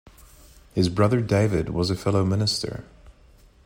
His brother David was a fellow minister.